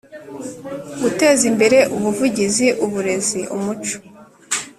Guteza imbere ubuvuzi uburezi umuco